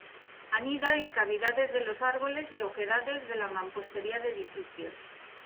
Anida en cavidades de los árboles y oquedades de la mampostería de edificios.